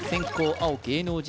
青芸能人